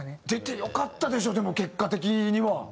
出てよかったでしょでも結果的には。